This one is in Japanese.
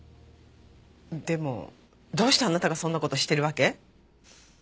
でもどうしてあなたがそんな事してるわけ？